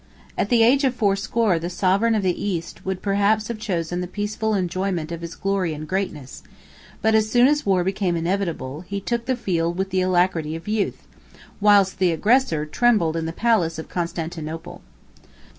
At the age of fourscore the sovereign of the East would perhaps have chosen the peaceful enjoyment of his glory and greatness; but as soon as war became inevitable, he took the field with the alacrity of youth, whilst the aggressor trembled in the palace of Constantinople.